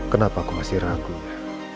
kenapa kau masih ragu ya